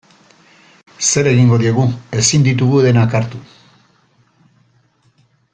Zer egingo diegu, ezin ditugu denak hartu.